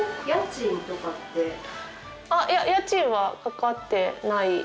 いや家賃はかかってないです。